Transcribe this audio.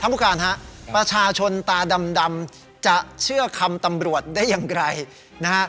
ผู้การฮะประชาชนตาดำจะเชื่อคำตำรวจได้อย่างไรนะฮะ